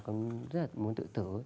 rất là muốn tự tử